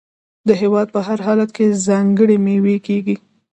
د هیواد په هر ولایت کې ځانګړې میوې کیږي.